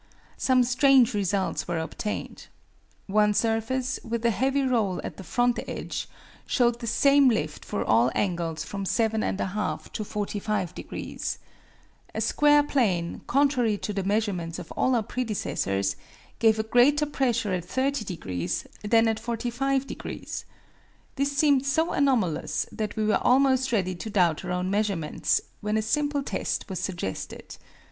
Some strange results were obtained. One surface, with a heavy roll at the front edge, showed the same lift for all angles from 7 1/2 to 45 degrees. A square plane, contrary to the measurements of all our predecessors, gave a greater pressure at 30 degrees than at 45 degrees. This seemed so anomalous that we were almost ready to doubt our own measurements, when a simple test was suggested.